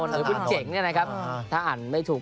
หรือคุณเจ๋งเนี่ยนะครับถ้าอ่านไม่ถูก